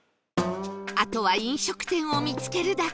あとは飲食店を見つけるだけ